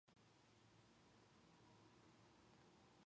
The river Mentue flows through the commune.